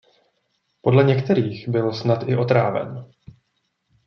Podle některých byl snad i otráven.